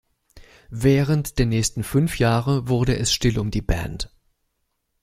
Während der nächsten fünf Jahre wurde es still um die Band.